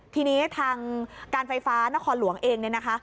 ทีนี้ทางการไฟฟ้านครหลวงเองเนี่ยนะคะ